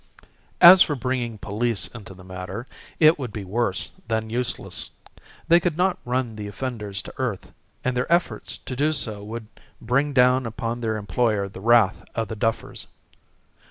As for bringing police into the matter, it would be worse than useless. They could not run the offenders to earth, and their efforts to do so would bring down upon their employer the wrath of the duffers.